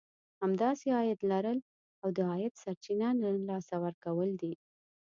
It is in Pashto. همداسې عايد لرل او د عايد سرچينه نه له لاسه ورکول دي.